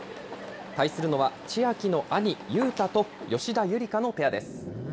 対するのは、千秋の兄、雄太と吉田夕梨花のペアです。